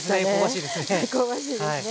ですね香ばしいですね。